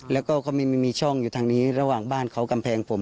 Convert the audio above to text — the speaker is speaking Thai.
แล้วก็เขาไม่มีช่องอยู่ทางนี้ระหว่างบ้านเขากำแพงผม